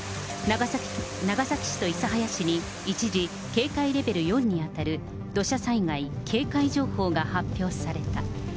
長崎市と諫早市に一時、警戒レベル４に当たる土砂災害警戒情報が発表された。